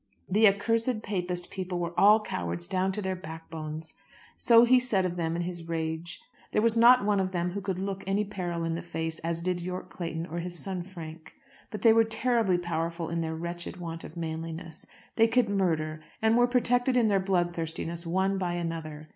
The accursed Papist people were all cowards down to their backbones. So he said of them in his rage. There was not one of them who could look any peril in the face as did Yorke Clayton or his son Frank. But they were terribly powerful in their wretched want of manliness. They could murder, and were protected in their bloodthirstiness one by another.